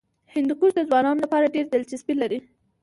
هندوکش د ځوانانو لپاره ډېره دلچسپي لري.